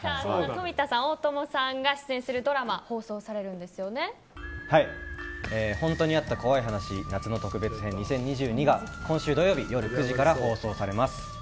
富田さん、大友さんが出演されるドラマが「ほんとにあった怖い話夏の特別編２０２２」が今週土曜日、夜９時から放送されます。